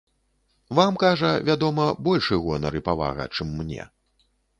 Вам, кажа, вядома, большы гонар і павага, чым мне.